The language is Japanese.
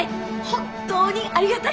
本当にありがたい！